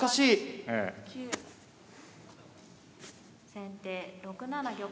先手６七玉。